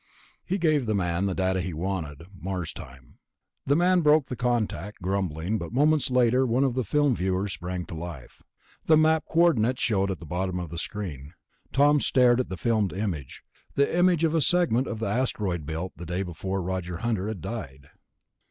He gave the man the dates he wanted, Mars time. The man broke the contact, grumbling, but moments later one of the film viewers sprang to life. The Map coordinates showed at the bottom of the screen. Tom stared at the filmed image ... the image of a segment of the Asteroid Belt the day before Roger Hunter had died.